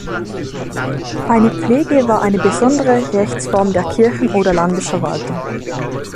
Eine Pflege war eine besondere Rechtsform der Kirchen- oder Landesverwaltung.